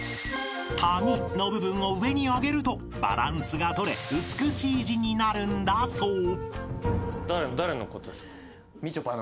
［「谷」の部分を上に上げるとバランスが取れ美しい字になるんだそう］